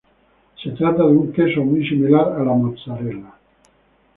Se trata de un queso muy similar a la mozzarella.